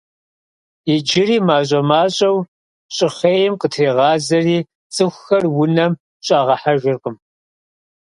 Иджыри мащӏэ-мащӏэу щӏыхъейм къытрегъазэри, цӀыхухэр унэм щӀагъэхьэжыркъым.